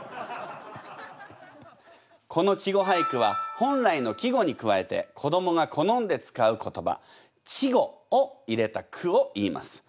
この稚語俳句は本来の季語に加えて子どもが好んで使う言葉稚語を入れた句をいいます。